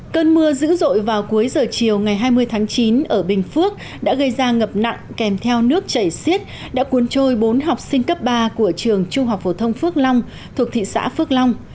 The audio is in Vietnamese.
cơn mưa dữ dội vào cuối giờ chiều ngày hai mươi tháng chín ở bình phước đã gây ra ngập nặng kèm theo nước chảy xiết đã cuốn trôi bốn học sinh cấp ba của trường trung học phổ thông phước long thuộc thị xã phước long